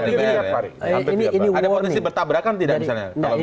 ada potensi bertabrakan tidak misalnya